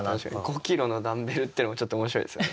「５ｋｇのダンベル」ってのもちょっと面白いですよね。